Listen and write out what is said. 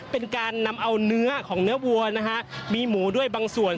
เป็นการนำเอาเนื้อของเนื้อวัวนะฮะมีหมูด้วยบางส่วน